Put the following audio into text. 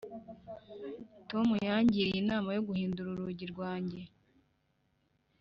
tom yangiriye inama yo guhindura urugi rwanjye.